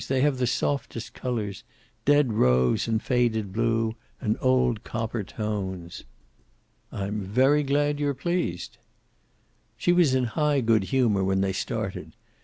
They have the softest colors, dead rose, and faded blue, and old copper tones." "I'm very glad you're pleased." She was in high good humor when they started.